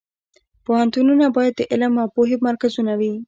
پوهنتونونه باید د علم او پوهې مرکزونه وي